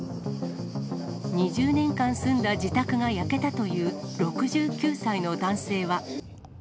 ２０年間住んだ自宅が焼けたという６９歳の男性は。